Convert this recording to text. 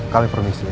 kami permisi ya